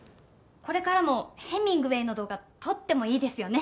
これからもヘミングウェイの動画撮ってもいいですよね？